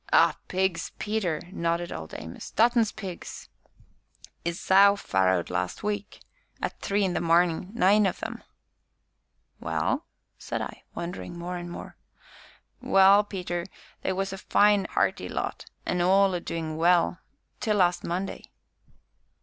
"Ah! pigs, Peter," nodded Old Amos, "Dutton's pigs; 'is sow farrowed last week at three in the marnin' nine of 'em!" "Well?" said I, wondering more and more. "Well, Peter, they was a fine 'earty lot, an' all a doin' well till last Monday."